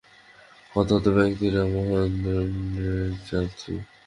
হতাহত ব্যক্তিরা মহেন্দ্রের যাত্রী।